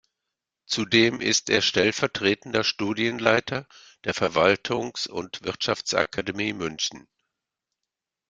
Zudem ist er stellvertretender Studienleiter der Verwaltungs- und Wirtschaftsakademie München.